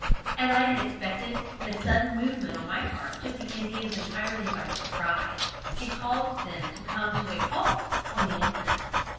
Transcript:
As I had expected, this sudden movement on my part took the Indians entirely by surprise, and caused them to come to a halt on the instant.